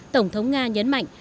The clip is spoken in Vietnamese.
tổng thống nga nhấn mạnh